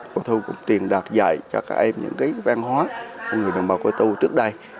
có thu cũng tiền đạt dạy cho các em những cái văn hóa của người đồng bào cơ tu trước đây